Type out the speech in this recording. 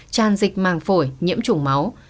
tràn dịch màng phổi nhiễm trùng máu